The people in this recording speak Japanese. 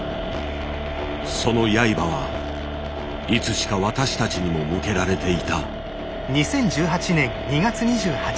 その刃はいつしか私たちにも向けられていた。